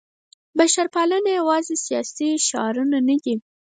بشرپالنه یوازې سیاسي شعارونه نه دي.